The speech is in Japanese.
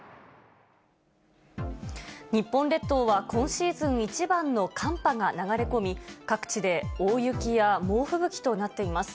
日本列島は今シーズン一番の寒波が流れ込み、各地で大雪や猛吹雪となっています。